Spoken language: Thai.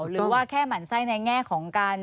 หรือว่าแค่หมั่นไส้ในแง่ของการ